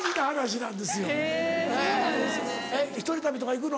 １人旅とか行くの？